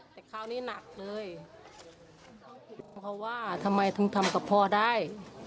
แต่คราวนี้หนักเลยเขาว่าทำไมถึงทำกับพ่อได้